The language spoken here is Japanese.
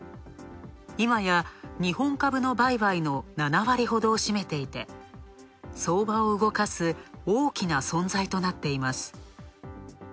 いまや日本株の売買の７割ほどをしめていて、相場を動かす大きな存在となっています。